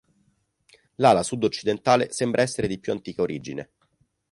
L'ala sud-occidentale sembra essere di più antica origine.